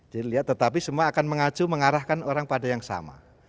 jadi lihat tetapi semua akan mengacu mengarahkan orang pada yang sama